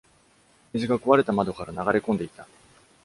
水が壊れた窓から流れ込んでいた。